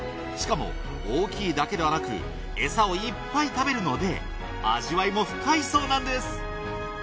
しかも大きいだけではなくエサをいっぱい食べるので味わいも深いそうなんです。